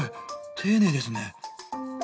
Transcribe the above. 丁寧ですね。